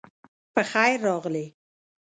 پخير راغلې